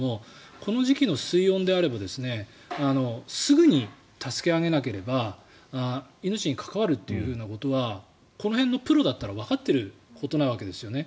この時期の水温であればすぐに助け上げなければ命に関わるっていうことはこの辺のプロだったらわかっていることなわけですよね。